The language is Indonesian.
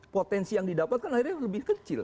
potensi yang didapat kan akhirnya lebih kecil